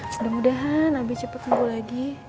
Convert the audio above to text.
mudah mudahan abi cepet minggu lagi